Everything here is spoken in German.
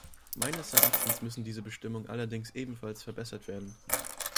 Meines Erachtens müssen diese Bestimmungen allerdings ebenfalls verbessert werden.